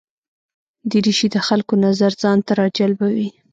دریشي د خلکو نظر ځان ته راجلبوي.